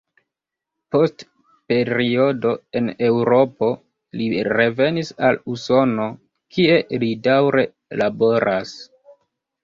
Post periodo en Eŭropo li revenis al Usono, kie li daŭre laboras.